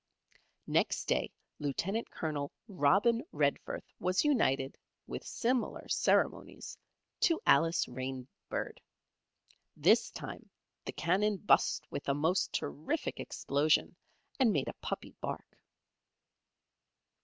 Next day, Lieutenant Colonel Robin Redforth was united, with similar ceremonies, to Alice Rainbird. This time the cannon bust with a most terrific explosion, and made a puppy bark.